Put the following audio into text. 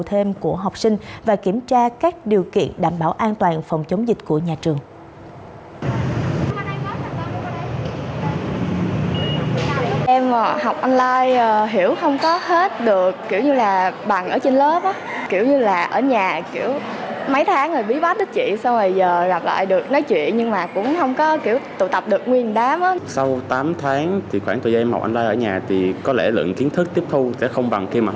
thêm của học sinh và kiểm tra các điều kiện đảm bảo an toàn phòng chống dịch của nhà trường